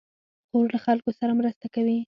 خور له خلکو سره مرسته کوي.